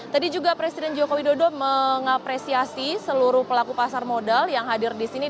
tadi juga presiden joko widodo mengapresiasi seluruh pelaku pasar modal yang hadir di sini